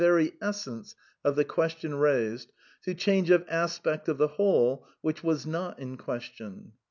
very essence of the question raised, to change of aspect of the whole, which was not in question.